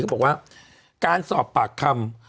เขาบอกว่าการสอบปากคำ